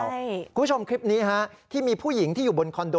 คุณผู้ชมคลิปนี้ฮะที่มีผู้หญิงที่อยู่บนคอนโด